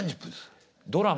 ドラマ？